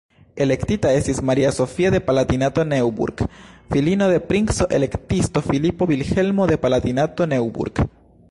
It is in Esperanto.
La elektita estis Maria Sofia de Palatinato-Neuburg, filino de princo-elektisto Filipo Vilhelmo de Palatinato-Neuburg.